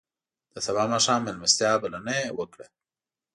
د سبا ماښام میلمستیا بلنه یې وکړه.